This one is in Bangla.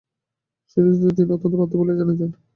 সুচরিতাকে তিনি অত্যন্ত বাধ্য বলিয়া জানিতেন।